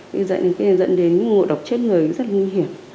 vì dẫn đến ngộ độc chết người rất là nguy hiểm